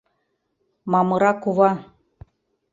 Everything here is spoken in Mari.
Мамыра кува.